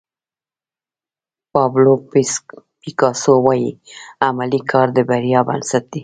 پابلو پیکاسو وایي عملي کار د بریا بنسټ دی.